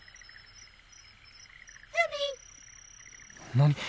何！？